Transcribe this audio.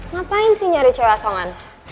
ngapain sih nyari cewek songan